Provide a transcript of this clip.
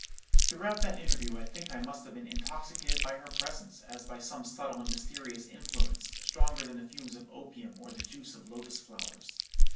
Throughout that interview, I think I must have been intoxicated by her presence, as by some subtle and mysterious influence, stronger than the fumes of opium, or the juice of lotus flowers.